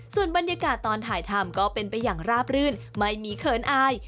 ส่วนบรรยากาศตอนถ่ายทำก็เป็นไปอย่างราบรื่นไม่มีเขินอาย